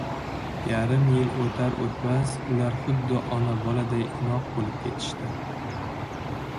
Yarim yil oʻtar-oʻtmas ular xuddi ona-boladay inoq boʻlib ketishdi.